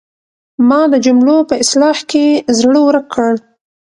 ما د جملو په اصلاح کې زړه ورک کړ.